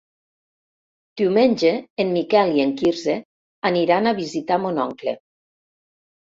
Diumenge en Miquel i en Quirze aniran a visitar mon oncle.